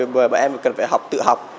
bởi vì em cần phải học tự học